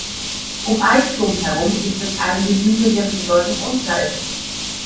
Um Eitzum herum gibt es einige Hügel, deren Bedeutung unklar ist.